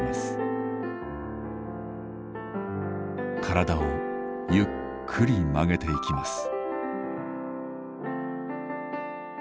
体をゆっくり曲げていきます。